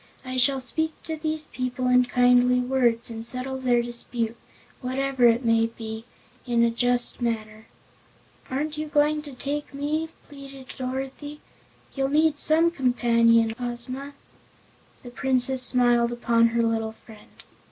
I shall speak to these people in kindly words and settle their dispute whatever it may be in a just manner." "Aren't you going to take me?" pleaded Dorothy. "You'll need some companion, Ozma." The Princess smiled upon her little friend.